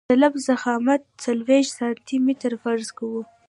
د سلب ضخامت څلوېښت سانتي متره فرض کوو